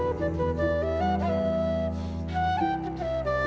berharga perjanjian begitu biru saja